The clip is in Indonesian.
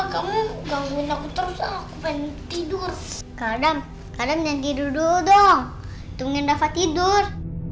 kenapa kamu gangguin aku terus aku pengen tidur